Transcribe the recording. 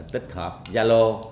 tích hợp gia lô